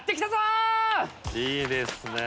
「いいですね。